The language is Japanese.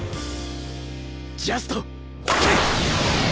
ジャスト！